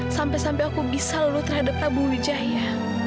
sampai sampai aku bisa luluh terhadap prabu wijaya